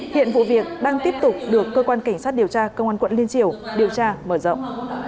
hiện vụ việc đang tiếp tục được cơ quan cảnh sát điều tra công an quận liên triều điều tra mở rộng